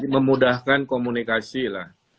memudahkan komunikasi lah